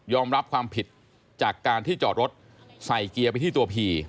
รับความผิดจากการที่จอดรถใส่เกียร์ไปที่ตัวผี